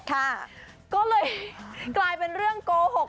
ค่ะก็เลยกลายเป็นเรื่องโกหก